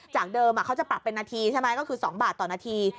จากเดิมเขาจะปรับเป็นนาทีใช่ไหมก็คือ๒บาทต่อนาที